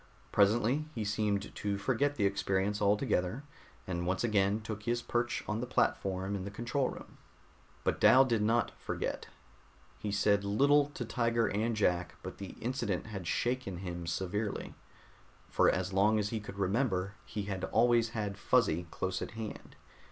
Presently he seemed to forget the experience altogether, and once again took his perch on the platform in the control room. But Dal did not forget. He said little to Tiger and Jack, but the incident had shaken him severely. For as long as he could remember, he had always had Fuzzy close at hand.